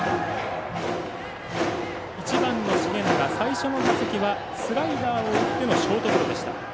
１番の繁永、最初の打席はスライダーを打ってのショートゴロ。